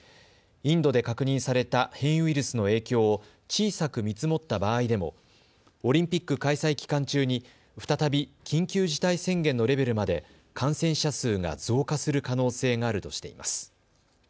インドで確認された変異ウイルスの影響を小さく見積もった場合でもオリンピック開催期間中に再び緊急事態宣言のレベルまで感染者数が増加する可能性があるとしています。